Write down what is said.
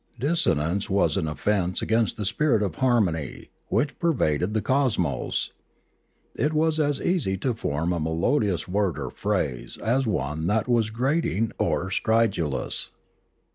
Dissonance was an offence against the spirit of harmony which pervaded the cosmos; it was as easy to form a melodious word or phrase as one that was grating or stridulous.